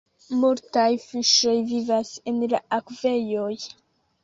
Multaj fiŝoj vivas en la akvejoj.